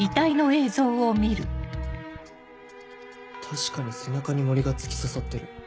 確かに背中に銛が突き刺さってる。